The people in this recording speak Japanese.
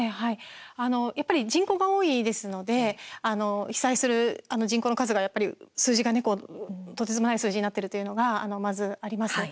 やっぱり人口が多いですので被災する人口の数がやっぱり、数字がねとてつもない数字になっているというのが、まずあります。